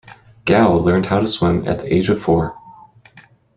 Gao learned how to swim at the age of four.